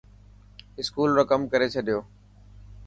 اسڪول رو ڪم ڪري ڇڏيو.